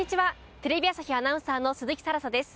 テレビ朝日アナウンサーの鈴木新彩です。